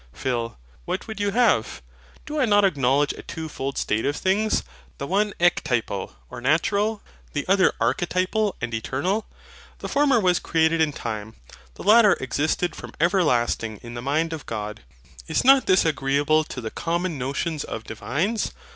PHIL. What would you have? Do I not acknowledge a twofold state of things the one ectypal or natural, the other archetypal and eternal? The former was created in time; the latter existed from everlasting in the mind of God. Is not this agreeable to the common notions of divines?